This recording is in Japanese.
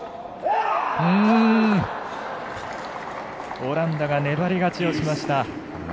オランダが粘り勝ちをしました。